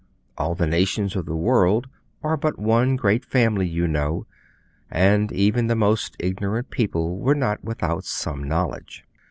All the nations of the world are but one great family, you know, and even the most ignorant people were not without some knowledge.